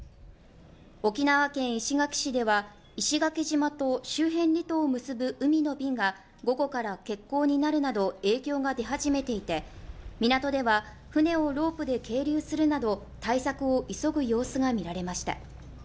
沖縄県石垣市では石垣島と周辺離島を結ぶ海の便が午後から欠航になるなど影響が出始めていて港では船をロープで係留するなど対策を急ぐ様子がみられました。